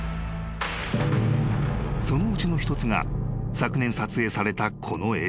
［そのうちの一つが昨年撮影されたこの映像］